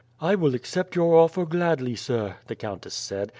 "I will accept your offer gladly, sir," the countess said.